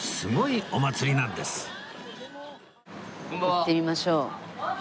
行ってみましょう。